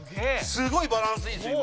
すごいバランスいいですよ